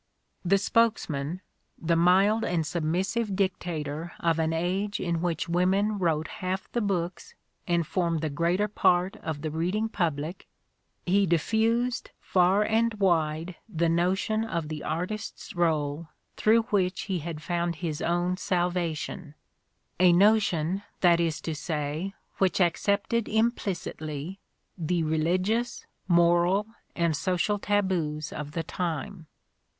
'' The spokesman, the mild and submissive dictator of an age in which women Wrote half the books and formed the greater part of the reading public, he diffused far and wide the notion of the artist's role through which he had found his own salvation, a notion, that is to say, which accepted im plicitly the religious, moral and social taboos of the time.